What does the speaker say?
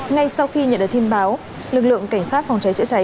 ngay sau khi nhận được tin báo lực lượng cảnh sát phòng cháy chữa cháy